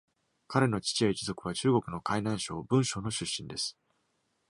彼の父や一族は中国の海南省文昌の出身です。